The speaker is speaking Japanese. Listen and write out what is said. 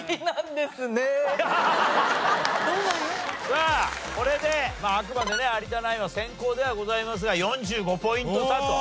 さあこれでまああくまでね有田ナインは先攻ではございますが４５ポイント差と。